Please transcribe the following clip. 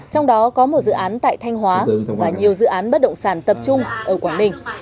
trong đó có một dự án tại thanh hóa và nhiều dự án bất động sản tập trung ở quảng ninh